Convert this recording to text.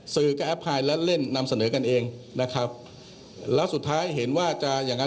สื่อก็แอปไฮและเล่นนำเสนอกันเองนะครับแล้วสุดท้ายเห็นว่าจะอย่างงั้น